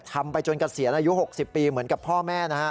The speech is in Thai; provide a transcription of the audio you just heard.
ทำไปจนกระเสียอายุ๖๐ปีเหมือนกับพ่อแม่